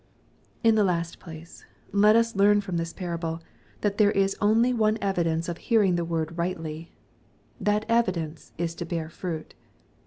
In the last place, let us learn from this parable, that there is only one evidence of hearing the word righUy. That evidence is to bear fruit.